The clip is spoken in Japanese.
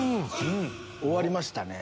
終わりましたね。